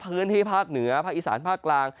พื้นที่ภาคเหนือภาคอีสานภาคกลาง